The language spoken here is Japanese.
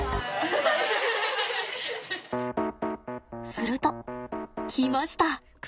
すると来ました。